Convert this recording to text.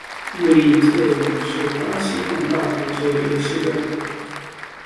穆利特努是巴西南大河州的一个市镇。